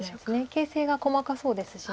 形勢が細かそうですし。